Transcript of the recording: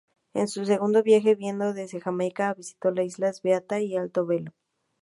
En su segundo viaje, viniendo desde Jamaica, avistó las islas: Beata y Alto Velo.